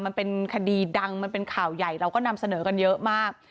มันเป็นคดีดังมันเป็นข่าวใหญ่เราก็นำเสนอกันเยอะมาก